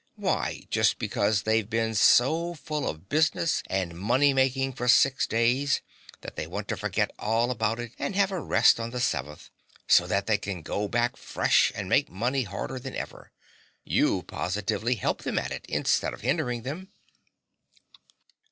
Why, just because they've been so full of business and money making for six days that they want to forget all about it and have a rest on the seventh, so that they can go back fresh and make money harder than ever! You positively help them at it instead of hindering them.